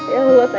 ya allah sayang